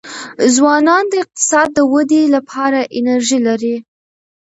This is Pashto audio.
ځوانان د اقتصاد د ودې لپاره انرژي لري.